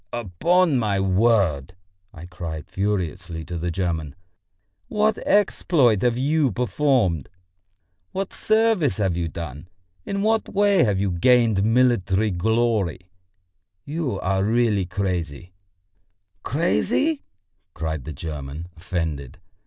"Upon my word!" I cried furiously to the German. "But what should you be made a colonel for? What exploit have you performed? What service have you done? In what way have you gained military glory? You are really crazy!" "Crazy!" cried the German, offended.